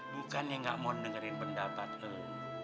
bukannya gak mau dengerin pendapat lo